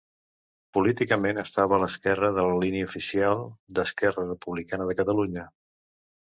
Políticament estava a l'esquerra de la línia oficial d'Esquerra Republicana de Catalunya.